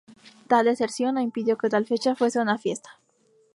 Tal deserción no impidió que tal fecha fuese una fiesta.